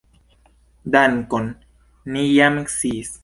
Dankon, ni jam sciis.